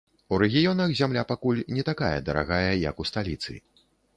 У рэгіёнах зямля пакуль не такая дарагая, як у сталіцы.